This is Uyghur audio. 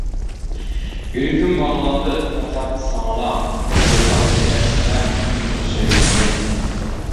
يۈرىكىم باغلاندى پەقەت ساڭىلا، ئۇلغايتتى ئەسلىمەم تۇنجى سۆيگۈمنى.